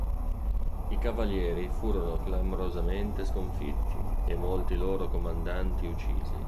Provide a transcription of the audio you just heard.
I Cavalieri furono clamorosamente sconfitti, e molti loro comandanti uccisi.